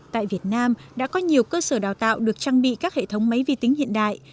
tại việt nam đã có nhiều cơ sở đào tạo được trang bị các hệ thống máy vi tính hiện đại